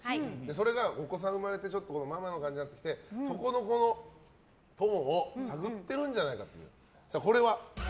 それがお子さん生まれてママの感じになってきてそこのトーンを探ってるんじゃないかという。